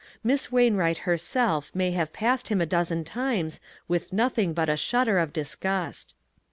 Miss Wainwright herself may have passed him a dozen times with nothing but a shudder of disgust.